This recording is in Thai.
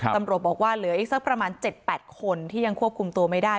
ตำรวจบอกว่าเหลืออีกสักประมาณ๗๘คนที่ยังควบคุมตัวไม่ได้